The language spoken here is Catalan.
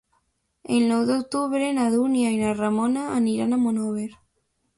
El nou d'octubre na Dúnia i na Ramona aniran a Monòver.